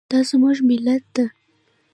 دا زموږ ملت ده